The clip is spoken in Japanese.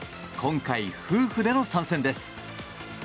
今回、夫婦での参戦です。